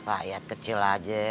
pak yat kecil aja